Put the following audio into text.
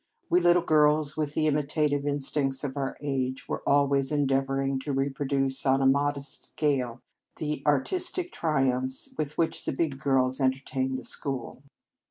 We little girls, with the imitative instincts of our age, were always endeavouring to reproduce on a modest scale the artistic triumphs with which the big girls entertained the school.